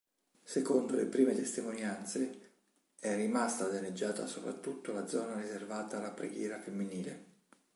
Secondo le prime testimonianze, è rimasta danneggiata soprattutto la zona riservata alla preghiera femminile.